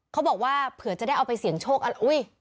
เขาบอกว่าเผื่อจะได้เอาไปเสี่ยงโชคกันอุ้ย